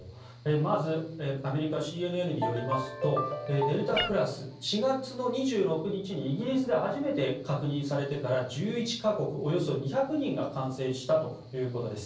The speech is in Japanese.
まずアメリカＣＮＮによりますとデルタプラスは４月２６日にイギリスで初めて確認されてから１１か国およそ２００人が感染したということです。